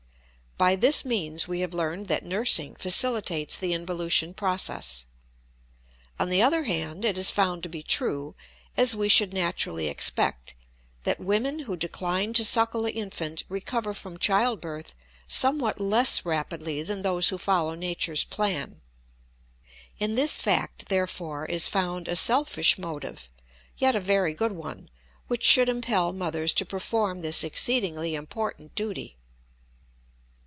By this means we have learned that nursing facilitates the involution process. On the other hand, it is found to be true, as we should naturally expect, that women who decline to suckle the infant recover from childbirth somewhat less rapidly than those who follow nature's plan. In this fact, therefore, is found a selfish motive, yet a very good one, which should impel mothers to perform this exceedingly important duty.